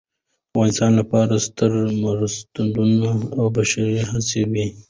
د افغانانو لپاره ستره مرستندویه او بشري هڅه وه.